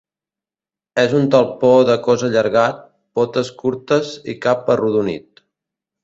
És un talpó de cos allargat, potes curtes i cap arrodonit.